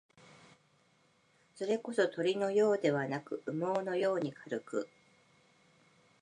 それこそ、鳥のようではなく、羽毛のように軽く、